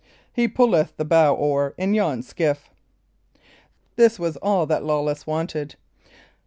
He pulleth the bow oar in yon skiff." This was all that Lawless wanted.